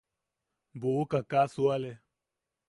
Buʼuka kaa suale.